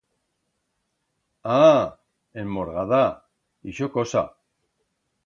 A!, enmorgada?, ixo cosa.